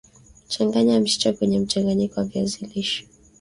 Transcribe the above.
Changanya mchicha kwenye mchanganyiko wa viazi lishe